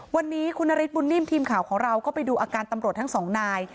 วันนี้คุณนฤทธบุญนิ่มทีมข่าวของเราก็ไปดูอาการตำรวจทั้งสองนาย